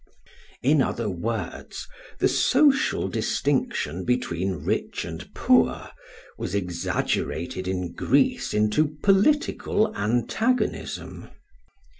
] In other words, the social distinction between rich and poor was exaggerated in Greece into political antagonism.